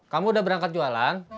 kamu udah berangkat jualan